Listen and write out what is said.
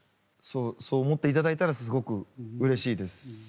そう思って頂いたらすごくうれしいです。